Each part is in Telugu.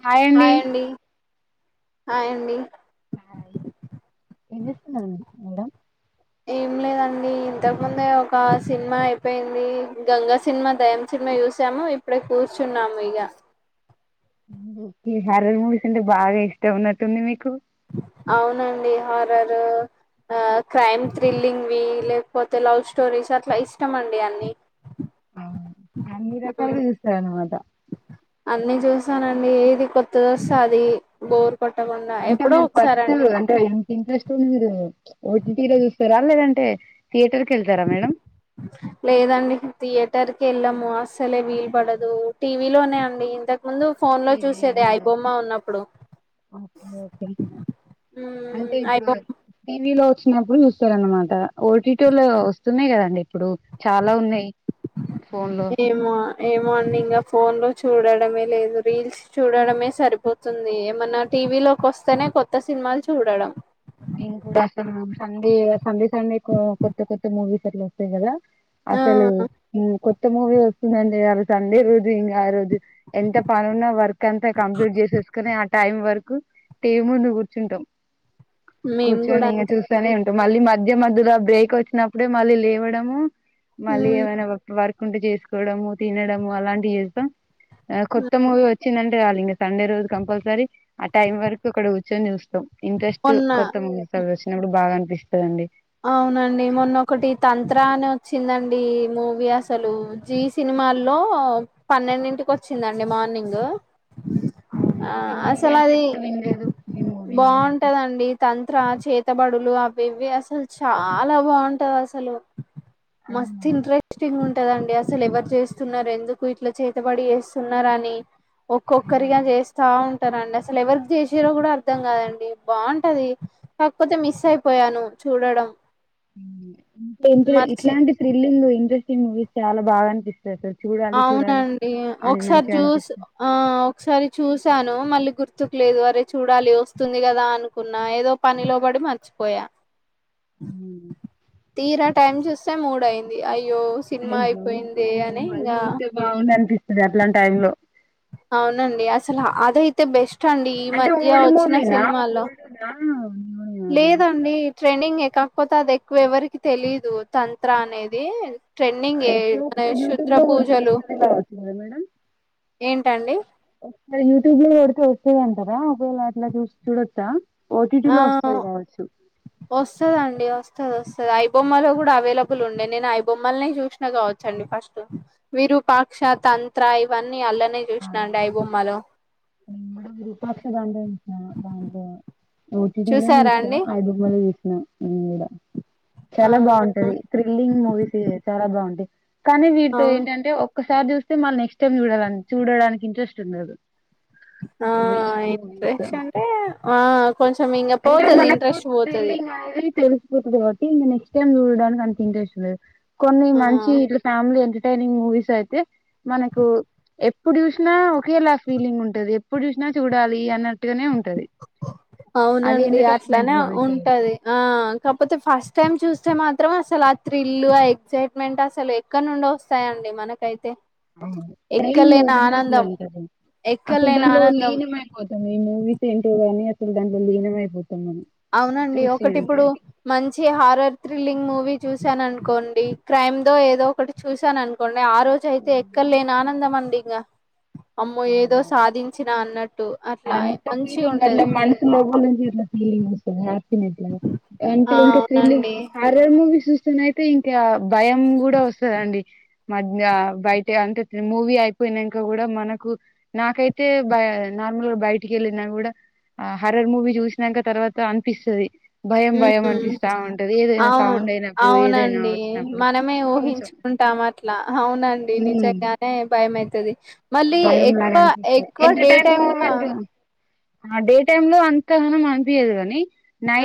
హాయ్ అండీ హాయ్ అండి హాయ్ ఎంజేస్తున్నారండి మేడం ఏం లేదండి ఇంతకు ముందే ఒక సినిమా అయిపేంది గంగా సినిమా దయం సినిమా సా చూసాము ఇప్పుడే కూర్చున్నాము ఇగా ఈ హార్రర్ మూవీస్ అంటే బాగా ఇష్టం ఉన్నట్టుంది మీకు అవునండి హారరు ఆ క్రైమ్ థ్రిల్లింగ్వి లేకపోతే లవ్ స్టోరీస్ అట్ల ఇష్టమండి అన్నీ ఆ అన్ని రకాలుగా చూస్తారన్నమాట అన్నీ జూసానండి ఏది కొత్తదస్తే అదీ బోర్ కొట్టకుండా అంటే ఎప్పుడో మీరు ఫస్టు ఒకసారండి అంటే ఎంత ఇంట్రెస్ మీరు ఓటీడీలో చూస్తారా లేదంటే థియేటర్ కి వెళ్తారా మేడం లేదండి థియే టర్కెళ్ళము అస్సలే వీలు పడదు టీవీ లోనే అండి ఇంతక ముందు ఫోన్ లో టీవీ చూసేది ఐ బొమ్మ ఉన్నప్పుడు ఓకే ఓకే అంటే ఇప్పుడు ఐబొమ్మ టీవీలో చ్చినప్పుడు చుస్తారన్నమాట ఓటీటో లో వొస్తున్నయి కదండి ఇప్పుడు చాలా ఉన్నయి ఫోన్లో ఇంగా ఫోన్ లో చూడడమే లేదు రీల్స్ చూడడమే సరిపోతుంది ఏమన్నా టీవీ లో కూడ్ వస్తానే కొత్త సినిమాలు చూడడం నేను కూడా సండే సండే కొత్త కొత్త మూవీస్ అట్ల వొస్తయి కదా ఆ అసలు ఉమ్ కొత్త మూవీ వొస్తుందండి సాలు సండే రేప్ ఇంగ ఆ రోజు ఎంత పనున్న వర్క్ అంత కంప్లీట్ జేసేసుకోని టైం వరకు టీవీ ముందు కూర్చుంటాం మేము కూర్చొని కూడా ఇంగా అంతే చూస్తానే ఉంటాం మళ్ళీ మళ్ మధ్య మధ్యలో బ్రేక్ వొచ్చినప్పుడే మళ్ళీ లేవడము మళ్ళీ ఉమ్ ఏమనా వర్క్ వంట చేసుకోవడము తినడము అలాంటి ఏస్తాం కొత్త మూవీ ఒచ్చిందంటే సాల్ ఇంగ సండే రోజు కంపల్సరీ ఆ టైం వరకు అక్కడ కూర్చొని జూస్తం టూ మొన్న కొత్త మూవీస్ అవొచ్చినప్పుడు బాగా అనిపిస్తదండి అవునండి మొన్నోకటి తంత్ర అని ఒచ్చిందండి మూవీ అసలు జీ సినిమా మాల్లో పన్నెండింటికి ఒచ్చిందండి మార్నింగ్ అవును ఆ ఏమో అసలు నేనైతే అది ఎప్పుడు విన్లేదు బాగుంటదండి తంత్ర చేత్ తబడులు అవ్వి ఇవ్వి అసలు చాలా బాగుంటదసలు మస్త్ ఇంట్రెస్టింగ్ టదండి అసలు ఎవరు చేస్తున్నారు ఎందుకు ఇట్లా చేతబడి చేస్తున్నారని ఒక్కొక్కరిగా జేస్తా ఉన్ టరండి అసల్ ఎవర్కి జేసిర్రో కూడా అర్థం కాదండి బాగుంటది కాకపోతే మిస్ అయిపోయాను ప్చ్ చూడడం అంటే మర్చి ఇట్లాంటి థ్రిలింగ్ ఇంట్రెస్టింగ్ మూవీస్ చాలా బాగా అనిపిస్తయ్ ఔనండి ఒక్సరీ మంచిగా జూస్ అనిపిస్తుంది ఆ ఒకసారి చూసాను మళ్ళీ గుర్తుకు లేదు అరే చూడాలి వస్తుంది కదా అనుకున్నా ఏదో పనిలో పడి మర్చిపోయా తీరా టైం చూస్తే మూడైంది అ య్యో సిన్మైపోయిందే అని ఇంగా మళ్ళీవొస్తే బాగుండన్పిస్తది అట్లాం టైమ్ లో ఔనండి అసలా అదైతే బేస్ స్ట్ అండి ఈ అంటే మధ్య ఓల్డ్ ఒచ్చిన మూవీనా సినిమాల్లో ఓల్డ్ దా అవును అది లేదండి ట్రెండింగే కాక్పోతే అది ఎక్కువ ఎవ్వర్కీ తెలీదు తంత్ర అనేది ట్రెండింగే అయితే ఎ శుద్ర పూజలు గద మేడం ఏంటండి ఒక్కసారి యూట్యూబ్లో కొడి అే అంటారా ఒకవేళ అట్లా చూస్ చూడొచ్చా ఆ ఓటీటీలో వస్తది కావచ్చు ఒస్తదండి ఒస్తది ఓస్ తది ఐ బొమ్మలో కూడా అవైలబుల్ ఉండే నేను ఐ బొమ్మల చూస్నా కావొచ్చండి ఫస్ట్ విరూపా క్ష తంత్ర ఇవన్నీ అల్లనే ఆ, చూష్ణ అండి ఐబొమ్మలో విరూపాక్ష డౌన్లోడ్ జేష్నా దాంట్లో ఓ టి టిలో చూసారా చూసా అండి ఐ బొమ్మలో చుస్నా నేను గూడా చాలా అవునా బాగుంటది థ్రిల్లింగ్ మూవీస్ చాలా బాగుంటాయి కానీ వీట్తో అవును ఏంటంటే ఒక సారి చూస్తే మల్ నెక్స్ట్ టైం చూడా చూడడానికి ఇంట్రెస్ట్ ఉండదు ఆ ఈ మూవీస్ ఇంట్రెస్ట్ అంటే ఆ కొంచెం ఇంకా పోతది ఇంట్రెస్ట్ పోతది అదీ పెరుగు తది గావట్టి నెక్స్ట్ టైమ్ చూడడాన్కీ అంత ఇంట్రెస్ట్ లేదు కొన్ని ఆ మంచి ఇట్లా ఫ్యామిలీ ఎం టైనింగ్ మూవీసైతే మనకు ఎప్పుడు చూష్నా ఒకేలా ఫీలింగ్ ఉంటది ఎప్పుడు చూష్నా చూడాలి అన్నట్టుగానే ఉం ఔనండి అట్లానే మూవీస్ అయితే. ఉంటది ఆ కాక్పోతే ఫస్ట్ టైమ్ చూస్ స్తే మాత్రం అస్సలు ఆ థ్రిల్ ఆ ఎగ్సైట్మెంట్ అసలు ఎక్కన్నుండొస్తాయండి మనకైతే అవును డైలీ ఎక్కలేని జూసుంటే అట్లే ఆనందం ఉంటది అస్సలు ఎక్కలేని దాంట్లో ఆనందం లీనమైపోతము ఈ మూవీస్ ఏంటి గానీ అస్సలు దాంట్లో లీనమైపో అవునండి ఒకటిప్పుడు మంచి హారర్ థ్రిల్లింగ్ మూవీ చూసానన్కోండీ క్రైమ్ దో ఏదో ఒకటి చూసానన్కోండి ఆ ఉ రోజైతే ఎక్కల్లేని ఆనందం అండి ఇంగా అమ్మో ఏదో అవును సాధించినా అన్నట్టు అట్లా అంత మంచి ఉంటది ట్ల ఫీలింగొస్తదా హ్యాపీ గట్లన అంటే ఆ ఇంక థ్రిల్లింగ్ అవునండి హారర్ మూవీస్ సుమైతే ఇంకా భయం గూడా ఒస్సదండి మద్నా బైటే అంటే త్రి మూవీ అయిపోయినంక గూడా మన నాకైతే బై నార్మల్గా బైటికెళ్ళినా గూడా ఆ హర్రర్ మూవీ చూస్నంక తర్వాత అన్పిస్సది భయం భయం ఉమ్ అన్పిస్తా ఉంటది ఏదైనా అవును సౌండ్ అయినప్పుడు ఏదైనా అవునండి ఒచ్చినప్పుడు కొంచెం టాం అట్లా అవునండి నిజంగానే భయమైతది మళ్ళీ ఎక్కువ భయంలాగన్పిస్తది ఎక్కువ డే ఎంటర్టైన్ టైమ్ లో మూమెంట్ ఆ డే టైమ్ లో అంతగనం అన్పియ్యదు గాని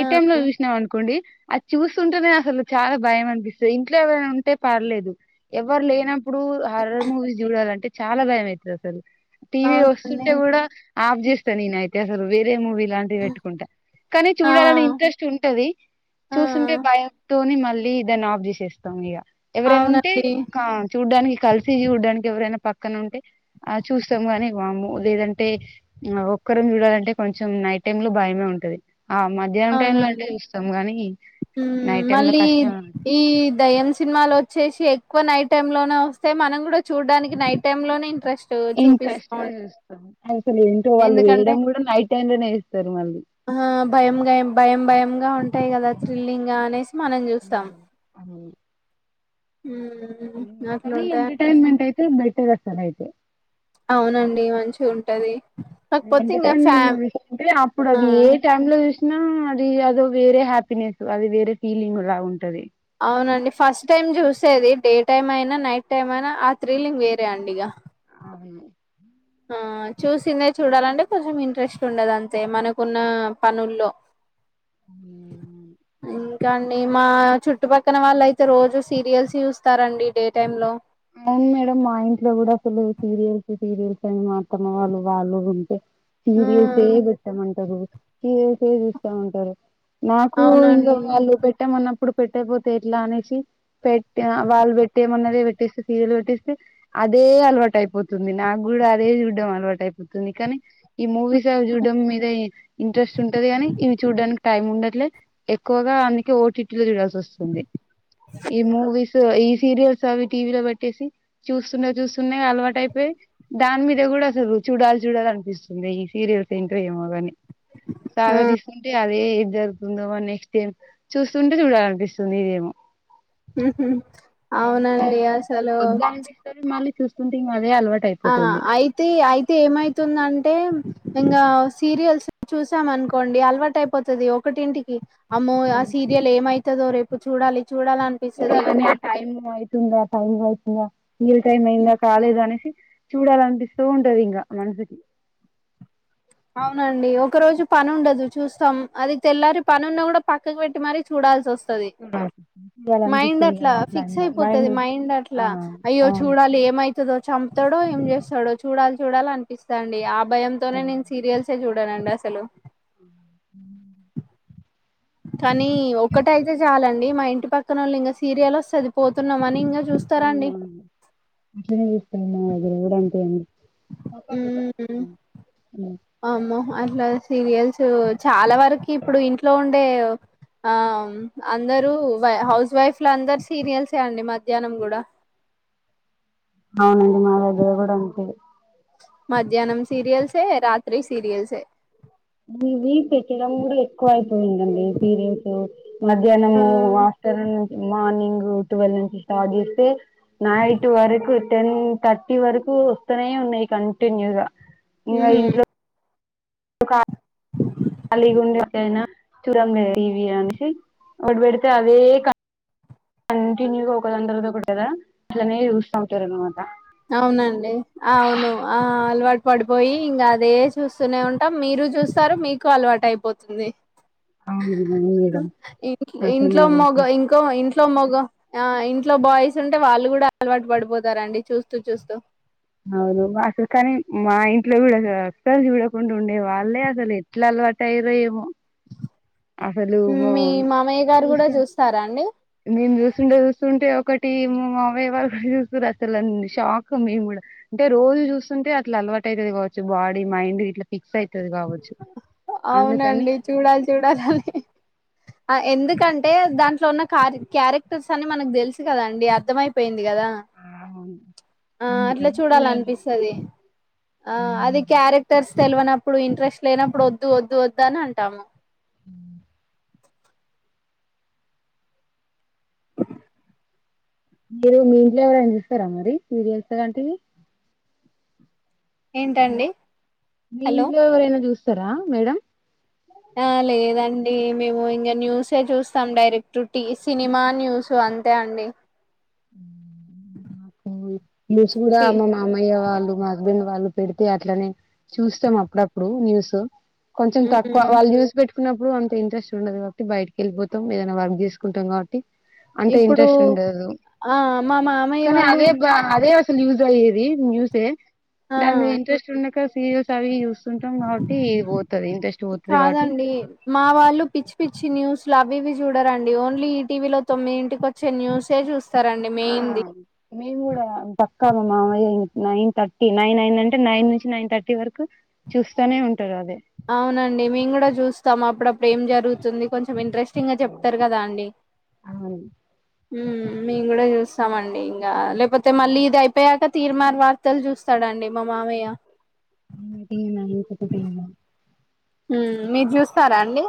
ఆ టైమ్ లో చూస్నామనుకోండి అది చూస్తుంటేనే అస్సలు చాలా భయం అన్పిస్సది ఇంట్లో ఎవరైనా ఉంటే పర్లేదు ఎవరు లేన ఇప్పుడూ హార్రర్ మూవీస్ జూడాలంటే చాలా భయమైతది అస్సలు టీవీ అవునండి ఒస్తుంటే కూడా ఆఫ్ చేస్తా నేనైతే అస్సలు వేరే మూవీ లాంటివెట్టుకుంటే కానీ ఆ చూడాలని ఇంట్రెస్ట్ ఉంటది ఆ చూస్తుంటే భయంతోని మ ళ్ళీ దాన్ని ఆఫ్ జేసేస్తాం ఇగా ఎవరైనుంటే అవునండి కా చూడ్డాని కల్సి చూడ్డానికి ఎవరైనా పక్కనుంటే ఆ చూస్తాం గాని వామ్మో లేదంటే ఆ ఒక్కరం చూడాలంటే కొంచెం నైట్ టైమ్ లో భయమే ఉంటది ఆ మధ్యాహ్నం టైమ్ లో అంటే చూస్తాం గాని ఉ నైట్ టైమ్ లో మళ్ళీ కష్టం ఈ దయ్యం సినిమాలోచ్చేసి ఎక్కువ నైట్ టైమ్ లోనే వస్తై మనం కూడా చూడ్డాన్కీ నైట్ టైమ్ లోనే ఇంట్రెస్ట్ ఇంట్రెస్ట్ గా చూపిస్తాం చూస్తాం అసలు ఏంటో వాళ్ళు ఎందుకంటే వేయడం కూడా నైట్ టైమ్ లోనే వేస్తారు మళ్ళీ ఆ భయం గాయం భయం భయం గా ఉంటాయి కదా థ్రిల్లింగ్ గా అనే సి హమ్ అని మ్మ్ కానీ అట్లుంటాయి ఎంటర్టైన్మెంట్ అయితే బెటర్ వస్తాది అయితే అవునండి మంచిగా ఉంటది కాకపోతే ఇంకా ఎంటర్టైన్మెంట్ ఫ్యామ్ మూవీస్ అప్పుడు ఆ అది ఏ టైంలో చూసినా ఆది వేరే హ్యాపీనెస్ అది వేరే ఫీలింగ్ లా ఉంటది అవునండి ఫస్ట్ టైం చూసేది డే టైమ్ అయినా నైట్ టైం అయినా ఆ త్రీలింగ్ వేరే అండి ఇగా అవును ఆ చూసిందే చూడాలంటే కొంచెం ఇంట్రెస్ట్ ఉండదు అంతే మనకున్న పనుల్లో అవును మేడం అవును ఉమ్మ్ ఇంకా అండి మా చుట్టుపక్కన వాళ్ళు అయితే రోజు సీరియల్స్ చూస్తారండి డే టైమ్ లో అవును మేడం మా ఇంట్లో కూడా అసలు సీరియల్స్ సీరియల్స్ అని మా అత్తమ్మ వాళ్ళు ఉంటే సీరియల్స్ ఏ మ్మ్ పెట్టామంటారు సీరియల్స్ ఏ చూస్తామంటారు నాకు ఇంక అవునండి వాళ్ళు పెట్టామన్నాప్పు ఇప్పుడు పెట్టకపోతే ఎట్లా అనేసి పెట్టినా వాళ్ళు పెట్టేమన్నదే పెట్టిస్తే సీరియల్ పెట్టిసితే అదే అలవాటు అయిపోతుంది నాకు కూడా అదే చూడ్డం అలవాటు అయిపోతుంది కానీ ఈ మూవీ అవి చూడటం మీద ఇంట్రెస్ట్ ఉంటది గాని ఇవి చూడడానికి టైం ఉండట్లే ఎక్కువగా అందుకే ఓటీటీలో చూడల్ స్తుంది ఈ మూవీస్ ఈ సీరియల్స్ అవి టీవీ లో ట్టేసి చూస్తున చూస్తున్నాయి అలవాటు అయిపోయి దాని మీద కూడా అసలు చూడాలి చూడాల అనిపిస్తుంది ఈ సీరియల్స్ ఏంటో ఏమో కాని ఆ సాగా తీసుకుంటే అదే జరుగుతుందో మ నెక్స్ట్ టైమ్ చూస్తుంటే చూడాల అనిపిస్తుంది ఇదేమో ఉహామ్ అవునండి అసలు వొద్దు అనిపిస్తది మళ్ళీ చూస్తుంటే మళ్ళీ ఆ అయితే అయితే ఏమైతుందం అంటే ఇంకా సీరియల్స్ చూసాం అనుకోండి అలవాటు అయిపోతుది ఒకటింటికి అమ్మో ఆ సీరియల్ ఏమైతదో రేపు చూడాలి చూడాలి అనిపిస్తది చూడాలని టైమ్ అవుతుందా టైమ్ అవుతుందా సీరియల్ టైమ్ అయిందా కాలేదా అనేసి చూడాలనిపిస్తుంటాదిక మనసుకి ఇంకా అవునండి ఒక రోజు పని ఉండదు చూస్తాం అది తెల్లారి పని ఉన్న కూడా పక్కకు పెట్టి మరీ చూడాల్సి వస్త స్తాది మైండ్ చేయాలనిపిస్తది అట్లా కదా ఫిక్స్ ఇంగా అయిపోతుది మైండ్ ఆ అట్లా అయ్యో అవును చూడాలి ఏమవుతుందో చంపుతాడో ఏం చేస్తాడో చూడాలి చూడాలి అనిపిస్తాండి ఆ భయంతోనే నేను సీరియల్సే చూడనండి అసలు [inaudible] కానీ ఒక్కట అయితే చాలండి మా ఇంటి పక్కనళ్ళు ఇంకా సీరియల్ వస్తుంది పోతున్నాం అని ఇంకా అవునా అట్లనే చేస్తారు మా దగ్గర కూడా అంతే అండి మక్క [unintelligible] హ్మ్ హ్మ్ అమ్మో అట్లా సీరియల్స్ చాలా వరకు ఇప్పుడు ఇంట్లో ఉండే ఆ అందరూ హౌస్ వైఫలందరు సీనియల్సే అండి మధ్యాహ్నం కూడా అవునండి మా దగ్గర కూడా అంతే మధ్యాహ్నం సీరియల్స్ ఏ రాత్రి సీరియల్స్ ఏ ఇవి పెట్టడం కూడా ఎక్కువ అయితుంది అండి సీరియల్సు ఆ మధ్యాహ్నము ఆఫ్టర్నూన్ మార్నింగ్ ట్వెల్ నుంచి స్టార్ట్ చేస్తే నైట్ వరకు టెన్ థర్టీ వరకు వస్తనే కంటిన్యూగా ఇగా హ్మ్ ఇంట్లో ఖాళీగుండేట్ల నా చూదాం [unintelligible] టీవి అనేసి ఒకటి పెడితే అవే కం కంటిన్యూగా ఒకదానితర్వాత ఒకటి కదా అట్లనే చూస్తావుంటారా అనమాట అవునండి అవును ఆ అలవాటు పడిపోయి ఇంకా అదే చూస్తూనే ఉంటాం మీరు మీరు చూస్తారు మీకు అలవాటు అయిపోతుంది అవును అవును ఆ మేడం ఇ అట్లనే ఇంట్లో మగ జరుగుతాయి ఇంకో ఇంట్ ఇంట్లో మొగ ఆ ఇంట్లో బాయ్స్ ఉంటే వాళ్ళు గుడా అలవాటు పడిపోతారండి చూస్తూ చూస్తూ అవును అసలు కానీ మా ఇంట్లో గుడా అసలు చూడకుండా ఉండే వాళ్ళే అసలు ఎట్లా ఆల్ సో అటైయ్యిరో ఏమో అసలు మో మీ మామయ్య గారు కూడా చూస్తే చూస్తారా అండి మేము చూస్తుంటే చూస్తుంటే ఒకటి మా మావయ్య వాళ్ళ గుడా చూస్తురు అసలు అన్ షాక్ మేము గుడా అంటే రోజు చూస్తుంటే అట్లా అలవాటు అయితది కావచ్చు బాడీ మైండ్ ఇట్లా ఫిక్స్ అయితది కావచ్చు అవును అందుకని అండీ చూడాలి చూడాలి అని ఆ ఎందుకంటే దాంట్లో ఉన్న కర్ క్యారెక్టర్స్ అన్ని మనకు తెలుసు కదా అండీ అర్థమైపోయింద్ ది గదా ఆ అవును ఆ అట్లా అందుకని చూడాలి చూడాలనిపిస్తది ఆ అది క్యారెక్టర్స్ తెలువనప్పుడు ఇంట్రెస్ట్ లేనప్పుడు వొద్దు వొద్దు వొద్దు అని అంటాము ఆ మీరు మీ ఇంట్లో ఎవరైనా చూస్తారా మరి సీరియల్స్ వంటివి హలో ఏంటండి మీ హలో ఇంట్లో ఎవరైనా చూస్తారా మేడం ఆ లేదు అండీ మేము ఇంగా న్యూసే చూస్తాం డైరెక్ట్ టీ సినిమా న్యూస్ ఆ అంతే అండి ఊ మి మి సూడా పి మా మామయ్య వాళ్ళు మా హస్బెండ్ వా వాళ్ళు పెడితే అట్లనే చూస్తాం అప్పుడప్పుడు న్యూస్ కొంచెం తక్కువ మ్మ్ వాళ్ళు న్యూస్ పెట్ కున్నప్పుడు అంత ఇంట్రెస్ట్ ఉండదు కాబట్టి బయటికి వెళ్ళపోతాం ఏదైనా వర్క్ చేసుకుంటాం కాబట్టి అంటే ఇప్పుడు ఇంట్రెస్ట్ ఉండదు ఆ మా మామయ్య కానీ వాళ్ళు అదే బ అదే అసలు యూజ్ అయ్యేది న్యూసే ఆ దాని మీ ఇంట్రెస్ట్ ఉండక అస సీరియల్స్ అవి ఇ చూస్తుంటాం కాబట్టి ఇది పోతది ఇంట్రెస్ట్ పోతది కాబట్టి కాదండి స్లో అవి ఇవి చూడర్ అండీ ఓన్లీ ఈటీవీ లో తొమ్మిది ఇంటికి వొచ్చే న్యూసే చూస్ ఆ మేమ్ గుడా పక్క మా మామయ్య ఇ నైన్ థర్టీ నైన్ నైన్ అయిందంటే నైన్ నుంచి నైన్ థర్టీ వరకు చూస్తానే ఉంటారు అదే అవును అండీ మేము గుడా చూస్తాం అప్పుడప్పుడు ఎం జరుగుతుంది కొంచెం ఇంట్రెస్టింగ్ గా చెప్తరు గదా అండి అవును మ్ మేము గుడా చూస్తామ అండి ఇంగా లేకపోతే మళ్ళీ ఇది అయిపోయాక తీర్మాన్ వార్తలు చూస్తాడు అండీ మా మామ్ మయ్యా [unintelligible] టి నైన్ థర్టీ హ్మ్ మీరు జుస్తారా అండి